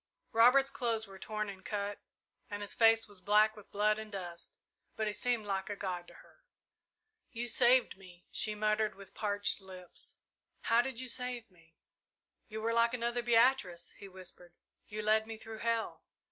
Robert's clothes were torn and cut, and his face was black with blood and dust, but he seemed like a god to her. "You saved me," she murmured, with parched lips. "How did you save me?" "You were like another Beatrice," he whispered, "you led me through hell!"